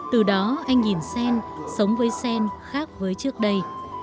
từ đó anh nhìn sen sống với sen khác với trước đây